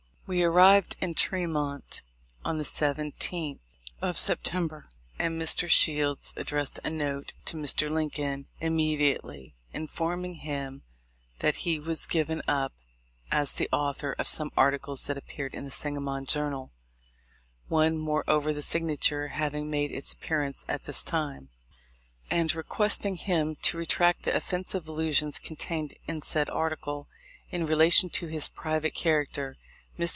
We arrived in Tremont on the 17th ult., and Mr. Shields addressed a note to Mr. Lincoln immedi ately, informing him that he was given up as the author of some articles that appeared in the Sanga mon Journal (one more over the signature having made its appearance at this time), and requesting him to retract the offensive allusions contained in said articles in relation to his private character. Mr.